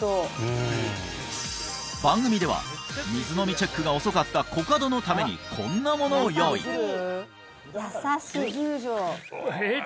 番組では水飲みチェックが遅かったコカドのためにこんなものを用意えっ？